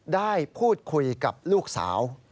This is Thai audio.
ได้พูดคุยกับลูกสาว